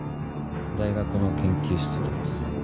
大学の研究室にいます。